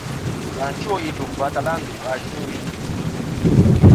Và chwo iluŋ va tala ndu a yvɨwi.